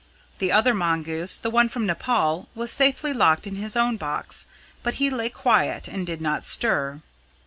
The other mongoose the one from Nepaul was safely locked in his own box, but he lay quiet and did not stir.